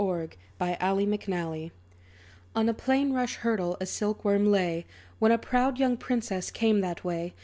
=The Silk Worm's Will= On a plain rush hurdle a silk worm lay, When a proud young princess came that way.